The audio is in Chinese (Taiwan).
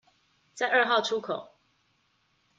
在二號出口